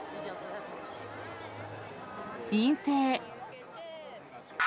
陰性。